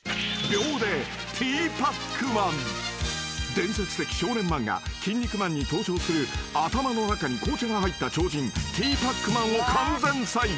［伝説的少年漫画『キン肉マン』に登場する頭の中に紅茶が入った超人ティーパックマンを完全再現］